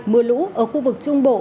mưa lũ ở khu vực trung bộ